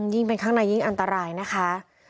ยิ่งเป็นข้างในยิ่งอันตรายนะคะ